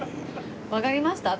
わかりました？